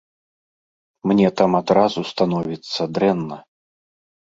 Мне там адразу становіцца дрэнна.